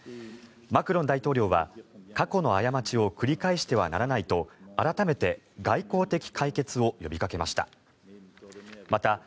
マクロン大統領は過去の過ちを繰り返してはならないと改めて外交的解決を呼びかけました。